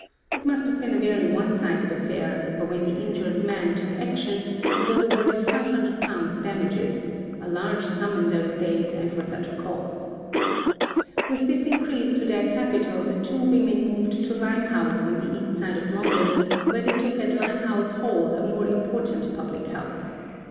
It must have been a very one sided affair, for when the injured "man" took action he was awarded £500 damages a large sum in those days and for such a cause. With this increase to their capital the two women moved to Limehouse on the east side of London where they took at Limehouse hole a more important public house.